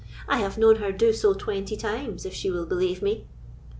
I have known her do so twenty times, if you will believe me."